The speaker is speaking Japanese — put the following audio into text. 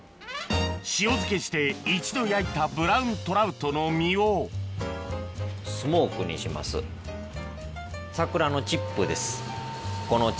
塩漬けして一度焼いたブラウントラウトの身をこのチップ。